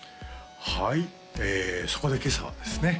はいそこで今朝はですね